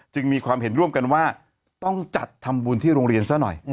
มีความเห็นร่วมกันว่าต้องจัดทำบุญที่โรงเรียนซะหน่อย